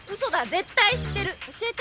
絶対知ってる教えて！